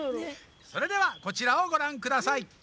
それではこちらをごらんください。